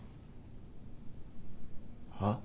はっ？